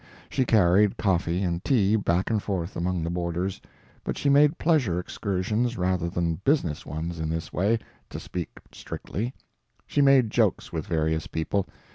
She carried coffee and tea back and forth among the boarders, but she made pleasure excursions rather than business ones in this way, to speak strictly. She made jokes with various people.